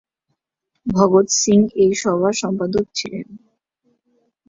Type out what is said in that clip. ভগৎ সিং ওই সভার সম্পাদক ছিলেন।